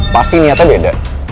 pasti niatnya beda